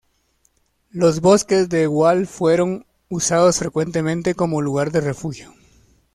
Los bosques de Weald fueron usados frecuentemente como lugar de refugio.